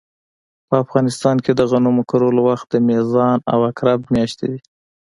په افغانستان کې د غنمو کرلو وخت د میزان او عقرب مياشتې دي